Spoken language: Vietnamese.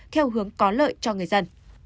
theo hướng có lợi cho người dân